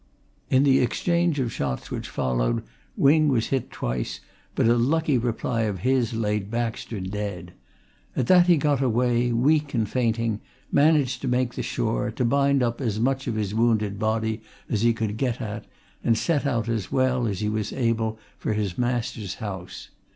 In the exchange of shots which followed Wing was hit twice, but a lucky reply of his laid Baxter dead. At that he got away, weak and fainting, managed to make the shore, to bind up as much of his wounded body as he could get at, and set out as well as he was able for his master's house.